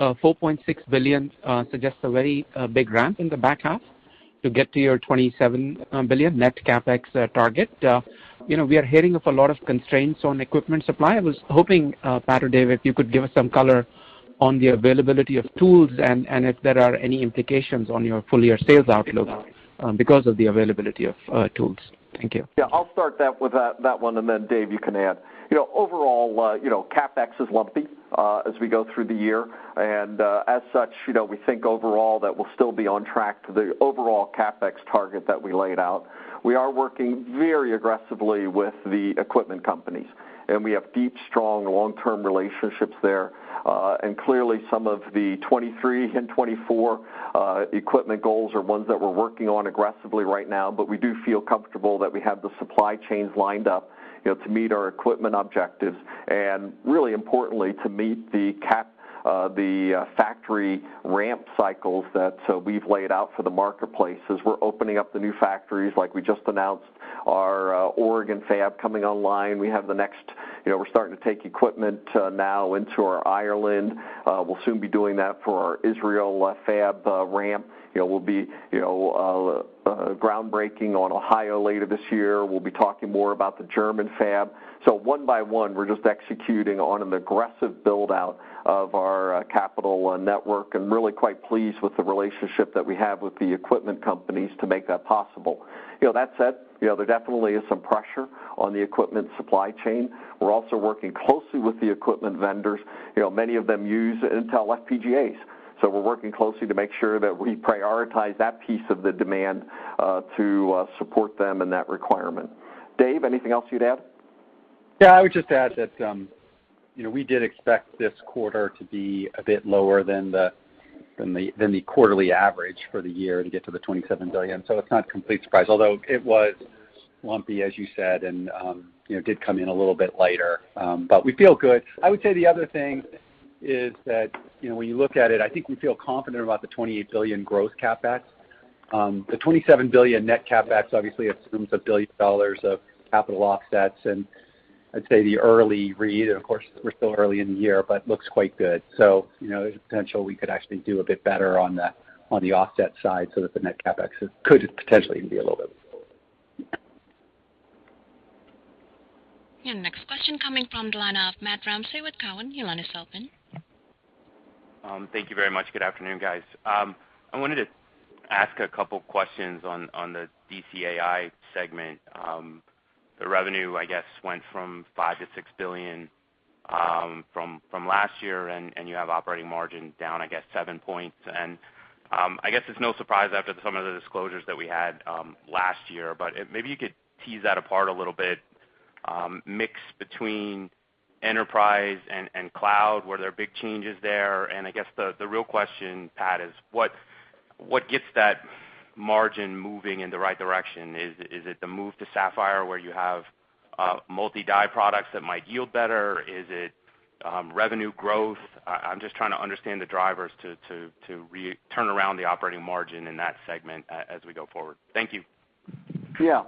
$4.6 billion, suggests a very big ramp in the back half to get to your $27 billion net CapEx target. You know, we are hearing of a lot of constraints on equipment supply. I was hoping, Pat or Dave, you could give us some color on the availability of tools and if there are any implications on your full-year sales outlook because of the availability of tools. Thank you.
Yeah. I'll start with that one, and then Dave, you can add. You know, overall, you know, CapEx is lumpy as we go through the year. As such, you know, we think overall that we'll still be on track to the overall CapEx target that we laid out. We are working very aggressively with the equipment companies, and we have deep, strong, long-term relationships there. Clearly, some of the 2023 and 2024 equipment goals are ones that we're working on aggressively right now, but we do feel comfortable that we have the supply chains lined up, you know, to meet our equipment objectives, and really importantly, to meet the factory ramp cycles that we've laid out for the marketplace as we're opening up the new factories like we just announced, our Oregon fab coming online. We have the next, you know, we're starting to take equipment now into our Ireland. We'll soon be doing that for our Israel fab ramp. You know, we'll be groundbreaking on Ohio later this year. We'll be talking more about the German fab. One by one, we're just executing on an aggressive build-out of our capital and network, and really quite pleased with the relationship that we have with the equipment companies to make that possible. You know, that said, you know, there definitely is some pressure on the equipment supply chain. We're also working closely with the equipment vendors. You know, many of them use Intel FPGAs, so we're working closely to make sure that we prioritize that piece of the demand to support them in that requirement. Dave, anything else you'd add?
Yeah, I would just add that, you know, we did expect this quarter to be a bit lower than the quarterly average for the year to get to the $27 billion. It's not a complete surprise, although it was lumpy, as you said, and, you know, did come in a little bit lighter. We feel good. I would say the other thing is that, you know, when you look at it, I think we feel confident about the $28 billion growth CapEx. The $27 billion net CapEx obviously assumes $1 billion of capital offsets. I'd say the early read, and of course we're still early in the year, but looks quite good. You know, there's a potential we could actually do a bit better on the offset side so that the net CapEx could potentially be a little bit.
Next question coming from the line of Matt Ramsay with Cowen. Your line is open.
Thank you very much. Good afternoon, guys. I wanted to ask a couple questions on the DCAI segment. The revenue, I guess, went from $5 to 6 billion from last year, and you have operating margin down, I guess, seven points. I guess it's no surprise after some of the disclosures that we had last year, but maybe you could tease that apart a little bit, mix between enterprise and cloud. Were there big changes there? I guess the real question, Pat, is what gets that margin moving in the right direction? Is it the move to Sapphire where you have multi-die products that might yield better? Is it revenue growth? I'm just trying to understand the drivers to turn around the operating margin in that segment as we go forward. Thank you.
Yeah.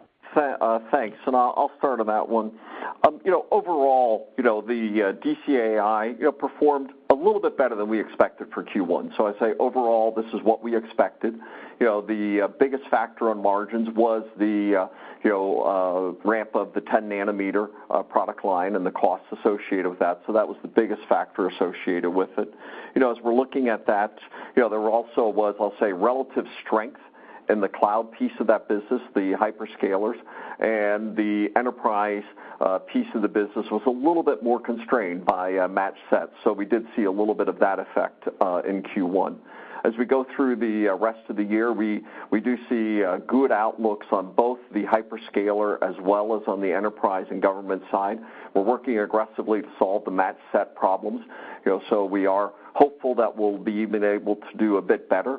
Thanks. I'll start on that one. You know, overall, the DCAI performed a little bit better than we expected for Q1. I'd say overall, this is what we expected. You know, the biggest factor on margins was the ramp of the 10 nanometer product line and the costs associated with that. That was the biggest factor associated with it. You know, as we're looking at that, there also was, I'll say, relative strength in the cloud piece of that business. The hyperscalers and the enterprise piece of the business was a little bit more constrained by matched sets. We did see a little bit of that effect in Q1. As we go through the rest of the year, we do see good outlooks on both the hyperscaler as well as on the enterprise and government side. We're working aggressively to solve the match set problems, you know, so we are hopeful that we'll be even able to do a bit better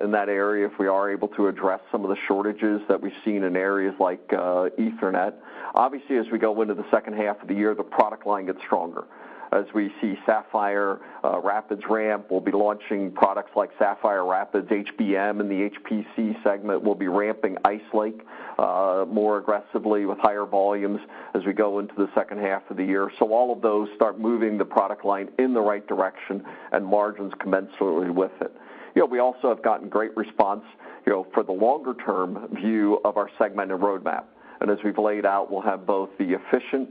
in that area if we are able to address some of the shortages that we've seen in areas like Ethernet. Obviously, as we go into the second half of the year, the product line gets stronger. As we see Sapphire Rapids ramp, we'll be launching products like Sapphire Rapids HBM and the HPC segment. We'll be ramping Ice Lake more aggressively with higher volumes as we go into the second half of the year. All of those start moving the product line in the right direction and margins commensurately with it. You know, we also have gotten great response, you know, for the longer-term view of our segment and roadmap. As we've laid out, we'll have both the efficient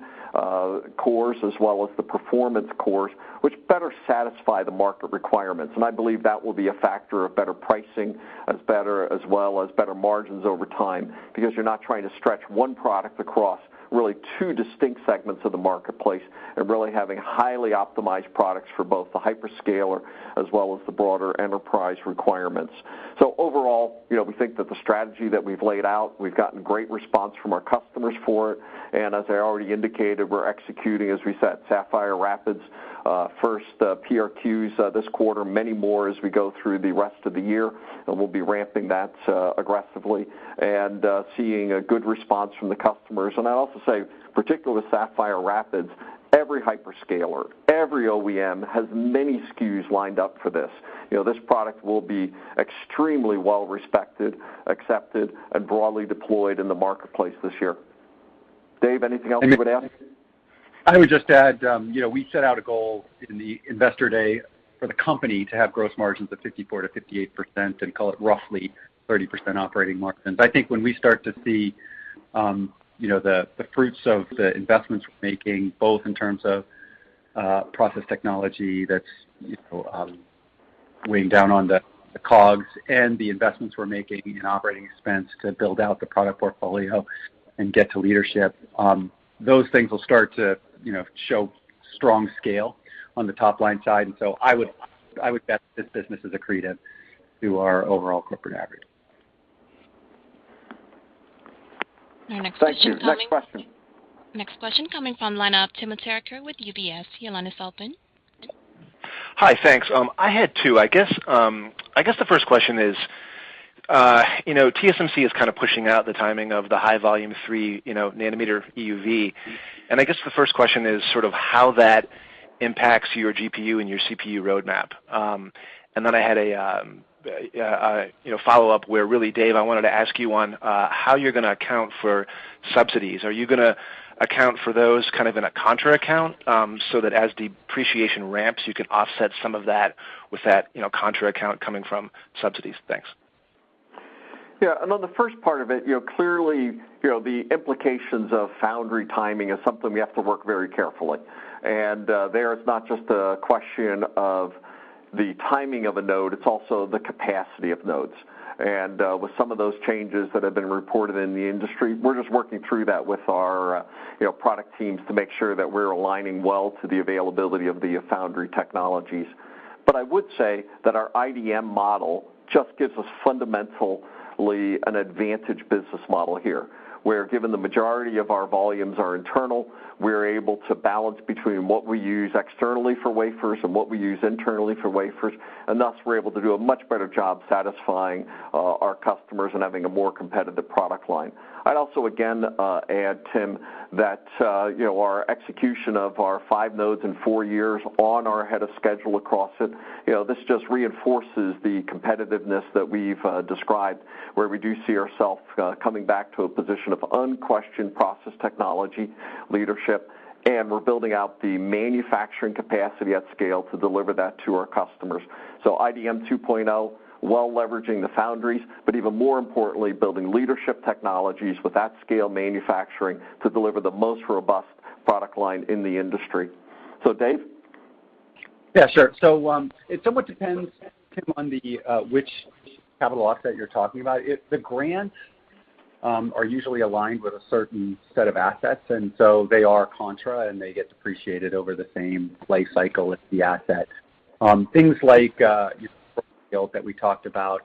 cores as well as the performance cores, which better satisfy the market requirements. I believe that will be a factor of better pricing as well as better margins over time because you're not trying to stretch one product across really two distinct segments of the marketplace and really having highly optimized products for both the hyperscaler as well as the broader enterprise requirements. Overall, you know, we think that the strategy that we've laid out, we've gotten great response from our customers for it. As I already indicated, we're executing, as we said, Sapphire Rapids first PRQs this quarter, many more as we go through the rest of the year, and we'll be ramping that aggressively and seeing a good response from the customers. I'd also say, particularly with Sapphire Rapids, every hyperscaler, every OEM has many SKUs lined up for this. You know, this product will be extremely well respected, accepted, and broadly deployed in the marketplace this year. Dave, anything else you would add?
I would just add, you know, we set out a goal in the Investor Day for the company to have gross margins of 54%-58% and call it roughly 30% operating margins. I think when we start to see, you know, the fruits of the investments we're making, both in terms of process technology that's, you know, weighing down on the COGS and the investments we're making in operating expense to build out the product portfolio and get to leadership, those things will start to, you know, show strong scale on the top-line side. I would bet this business is accretive to our overall corporate average.
Thank you. Next question.
Our next question coming.
Next question.
Next question coming from the line of Timothy Arcuri with UBS. Your line is open.
Hi. Thanks. I had two. I guess the first question is, you know, TSMC is kind of pushing out the timing of the high volume 3, you know, nanometer EUV. I guess the first question is sort of how that impacts your GPU and your CPU roadmap. I had a follow-up where really, Dave, I wanted to ask you on how you're gonna account for subsidies. Are you gonna account for those kind of in a contra account, so that as depreciation ramps, you can offset some of that with that, you know, contra account coming from subsidies? Thanks.
Yeah. On the first part of it, you know, clearly, you know, the implications of foundry timing is something we have to work very carefully. There it's not just a question of the timing of a node, it's also the capacity of nodes. With some of those changes that have been reported in the industry, we're just working through that with our, you know, product teams to make sure that we're aligning well to the availability of the foundry technologies. I would say that our IDM model just gives us fundamentally an advantage business model here, where given the majority of our volumes are internal, we're able to balance between what we use externally for wafers and what we use internally for wafers, and thus we're able to do a much better job satisfying our customers and having a more competitive product line. I'd also again add, Tim, that you know, our execution of our five nodes in four years on or ahead of schedule across it, you know, this just reinforces the competitiveness that we've described, where we do see ourself[ves] coming back to a position of unquestioned process technology leadership, and we're building out the manufacturing capacity at scale to deliver that to our customers. IDM 2.0, while leveraging the foundries, but even more importantly, building leadership technologies with that scale manufacturing to deliver the most robust product line in the industry. So Dave?
Yeah, sure. It somewhat depends, Tim, on which capital offset you're talking about. If the grants are usually aligned with a certain set of assets, and they are contra, and they get depreciated over the same life cycle as the asset. Things like your portfolio that we talked about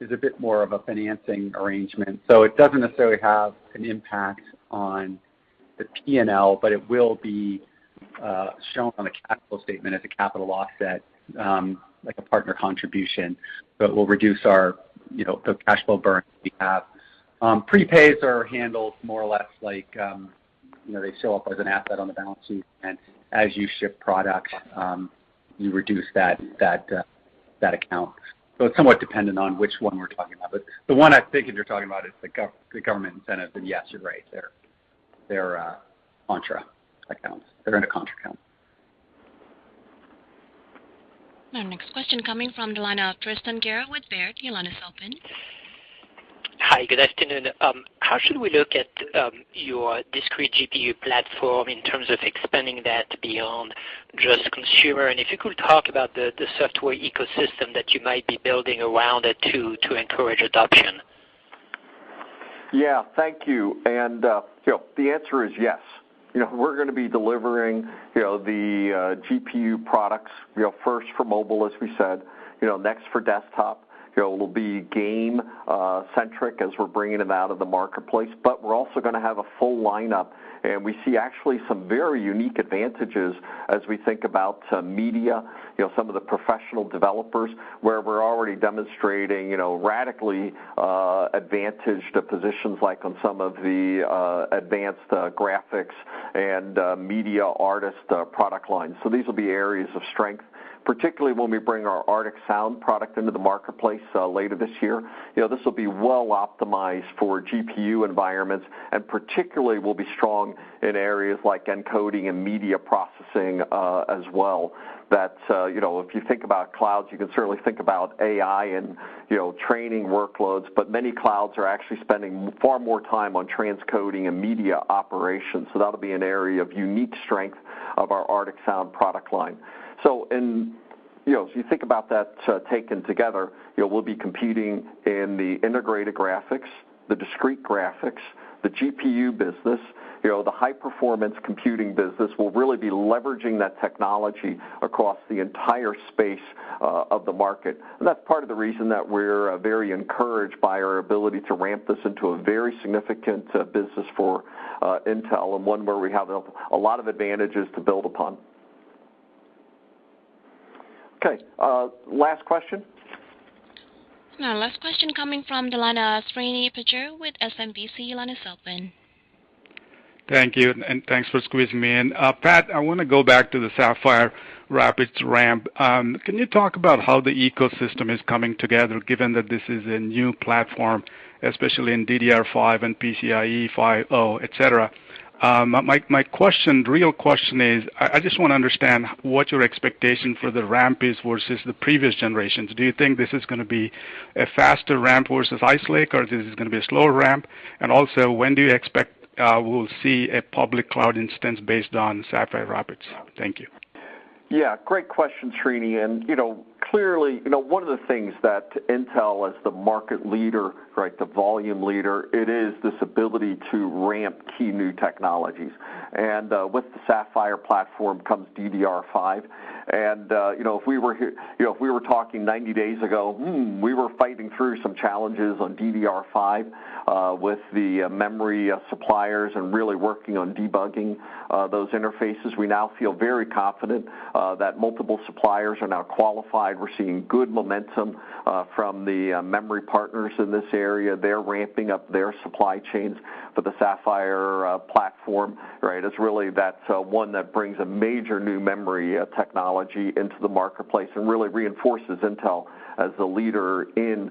is a bit more of a financing arrangement, so it doesn't necessarily have an impact on the P&L, but it will be shown on a capital statement as a capital offset, like a partner contribution, but will reduce our, you know, the cash flow burn we have. Prepays are handled more or less like, you know, they show up as an asset on the balance sheet, and as you ship product, you reduce that account. It's somewhat dependent on which one we're talking about. The one I think you're talking about is the government incentive, then yes, you're right. They're contra accounts. They're in a contra account.
Our next question coming from the line of Tristan Gerra with Baird. Your line is open.
Hi, good afternoon. How should we look at your discrete GPU platform in terms of expanding that beyond just consumer? If you could talk about the software ecosystem that you might be building around it to encourage adoption.
Yeah, thank you. You know, the answer is yes. You know, we're gonna be delivering, you know, the GPU products, you know, first for mobile, as we said, you know, next for desktop. You know, we'll be game centric as we're bringing them out of the marketplace, but we're also gonna have a full lineup, and we see actually some very unique advantages as we think about media, you know, some of the professional developers, where we're already demonstrating, you know, radically advantaged positions like on some of the advanced graphics and media artist product lines. These will be areas of strength, particularly when we bring our Arctic Sound-M product into the marketplace later this year. You know, this will be well optimized for GPU environments and particularly will be strong in areas like encoding and media processing, as well. That, you know, if you think about clouds, you can certainly think about AI and, you know, training workloads, but many clouds are actually spending far more time on transcoding and media operations, so that'll be an area of unique strength of our Arctic Sound-M product line. You know, as you think about that, taken together, you know, we'll be competing in the integrated graphics, the discrete graphics, the GPU business. You know, the high-performance computing business will really be leveraging that technology across the entire space of the market. That's part of the reason that we're very encouraged by our ability to ramp this into a very significant business for Intel and one where we have a lot of advantages to build upon. Okay, last question.
Now last question coming from Srini Pajjuri with SMBC Nikko.
Thank you, and thanks for squeezing me in. Pat, I wanna go back to the Sapphire Rapids ramp. Can you talk about how the ecosystem is coming together given that this is a new platform, especially in DDR5 and PCIe 5.0, et cetera? My real question is, I just wanna understand what your expectation for the ramp is versus the previous generations. Do you think this is gonna be a faster ramp versus Ice Lake, or is this gonna be a slower ramp? Also, when do you expect we'll see a public cloud instance based on Sapphire Rapids? Thank you.
Yeah, great question, Srini. You know, clearly, you know, one of the things that Intel as the market leader, right, the volume leader, it is this ability to ramp key new technologies. With the Sapphire platform comes DDR5. You know, if we were talking 90 days ago, we were fighting through some challenges on DDR5 with the memory suppliers and really working on debugging those interfaces. We now feel very confident that multiple suppliers are now qualified. We're seeing good momentum from the memory partners in this area. They're ramping up their supply chains for the Sapphire platform, right? It's really that's one that brings a major new memory technology into the marketplace and really reinforces Intel as the leader in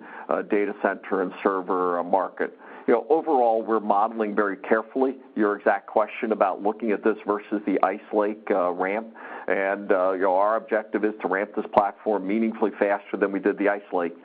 data center and server market. You know, overall, we're modeling very carefully your exact question about looking at this versus the Ice Lake ramp. Our objective is to ramp this platform meaningfully faster than we did the Ice Lake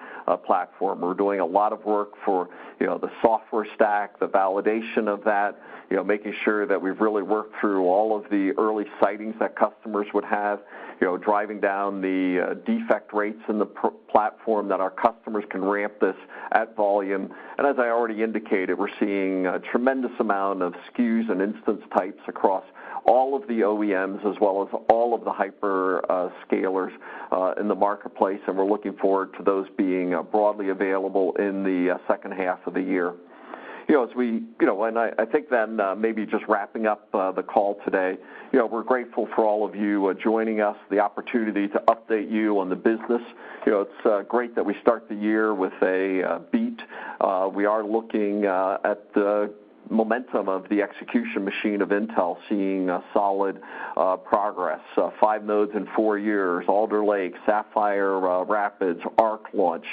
platform. We're doing a lot of work for, you know, the software stack, the validation of that, you know, making sure that we've really worked through all of the early sightings that customers would have, you know, driving down the defect rates in the platform that our customers can ramp this at volume. As I already indicated, we're seeing a tremendous amount of SKUs and instance types across all of the OEMs as well as all of the hyperscalers in the marketplace, and we're looking forward to those being broadly available in the second half of the year. You know, I think then, maybe just wrapping up the call today, you know, we're grateful for all of you joining us, the opportunity to update you on the business. You know, it's great that we start the year with a beat. We are looking at the momentum of the execution machine of Intel seeing a solid progress, five nodes in four years, Alder Lake, Sapphire Rapids, Arc launch,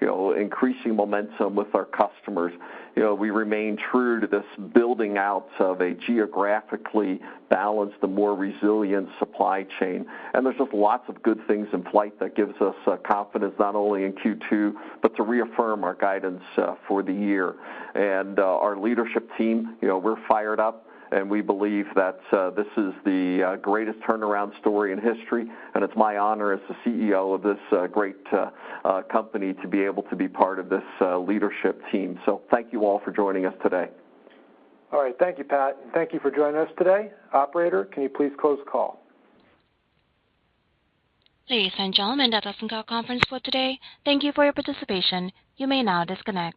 you know, increasing momentum with our customers. You know, we remain true to this building out of a geographically balanced and more resilient supply chain. There's just lots of good things in flight that gives us confidence not only in Q2, but to reaffirm our guidance for the year. Our leadership team, you know, we're fired up, and we believe that this is the greatest turnaround story in history, and it's my honor as the CEO of this great company to be able to be part of this leadership team. Thank you all for joining us today.
All right. Thank you, Pat, and thank you for joining us today. Operator, can you please close the call?
Ladies and gentlemen, that does end our conference for today. Thank you for your participation. You may now disconnect.